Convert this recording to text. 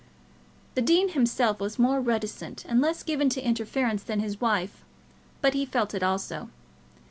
The dean himself was more reticent and less given to interference than his wife; but he felt it also.